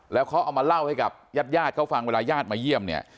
แล้วเขาเอามาเล่าให้กับญาติญาติเขาฟังเวลาญาติมาเยี่ยมเนี่ย